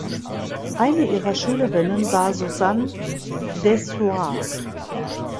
Eine ihrer Schülerinnen war Susanne Dessoir.